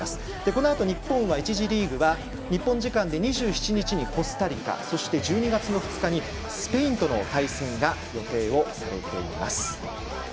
このあと、日本は１次リーグで日本時間で２７日にコスタリカ１２月２日にスペインと対戦が予定されています。